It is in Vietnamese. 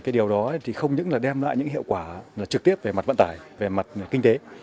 điều đó không những đem lại những hiệu quả trực tiếp về mặt vận tải về mặt kinh tế